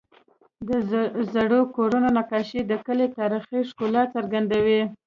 د زړو کورونو نقاشې د کلي تاریخي ښکلا څرګندوي.